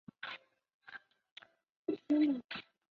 实际的年龄限制在每个童军组织中有所不同。